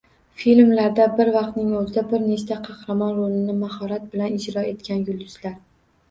Filmlarda bir vaqtning o‘zida bir nechta qahramon rolini mahorat bilan ijro etgan yulduzlar